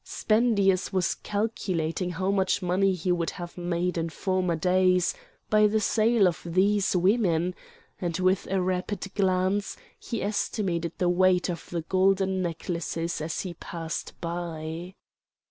Spendius was calculating how much money he would have made in former days by the sale of these women; and with a rapid glance he estimated the weight of the golden necklaces as he passed by.